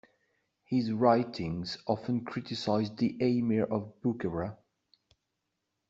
His writings often criticized the Amir of Bukhara.